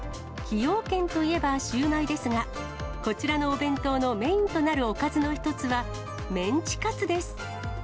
崎陽軒といえばシウマイですが、こちらのお弁当のメインとなるおかずの一つは、メンチカツです。